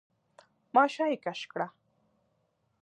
ماشه يې کش کړه.